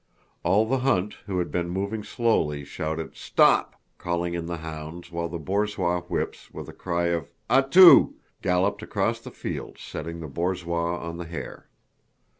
All the hunt, who had been moving slowly, shouted, "Stop!" calling in the hounds, while the borzoi whips, with a cry of "A tu!" galloped across the field setting the borzois on the hare.